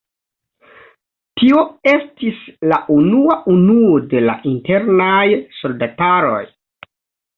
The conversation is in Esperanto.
Tio estis la unua unuo de la Internaj Soldataroj.